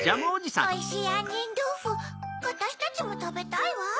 おいしいあんにんどうふわたしたちもたべたいわ。